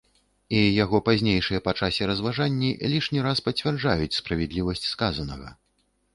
І яго пазнейшыя па часе разважанні лішні раз пацвярджаюць справядлівасць сказанага.